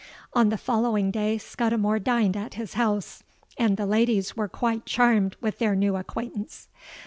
On the following day Scudimore dined at his house; and the ladies were quite charmed with their new acquaintance.